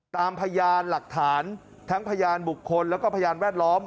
พยานหลักฐานทั้งพยานบุคคลแล้วก็พยานแวดล้อม